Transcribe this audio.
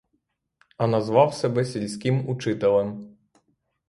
А назвав себе сільським учителем.